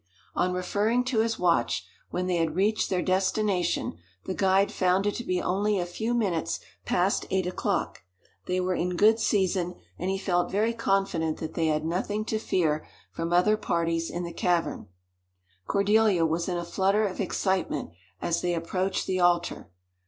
On referring to his watch, when they had reached their destination, the guide found it to be only a few minutes past eight o'clock. They were in good season, and he felt very confident that they had nothing to fear from other parties in the cavern. Cordelia was in a flutter of excitement as they approached the altar.